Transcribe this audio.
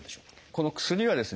この薬はですね